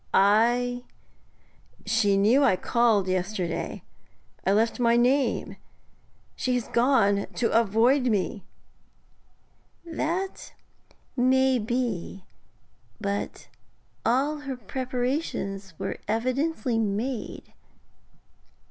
'She knew I called yesterday; I left my name. She has gone to avoid me.' 'That may be. But all her preparations were evidently made.'